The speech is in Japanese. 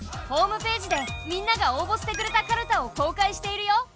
ホームページでみんなが応ぼしてくれたかるたを公開しているよ。